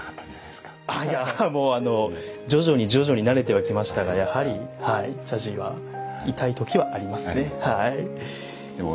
いやもう徐々に徐々に慣れてはきましたがやはり茶事は痛い時はありますねはい。